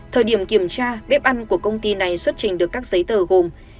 thời điểm kiểm tra bếp ăn của công ty này xuất trình được các giấy tờ gồm